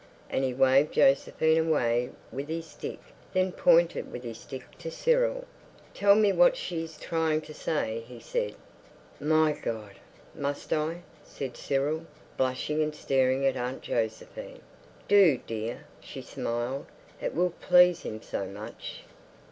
And he waved Josephine away with his stick, then pointed with his stick to Cyril. "Tell me what she's trying to say," he said. (My God!) "Must I?" said Cyril, blushing and staring at Aunt Josephine. "Do, dear," she smiled. "It will please him so much."